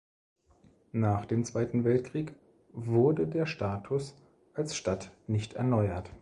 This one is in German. Nach dem Zweiten Weltkrieg wurde der Status als Stadt nicht erneuert.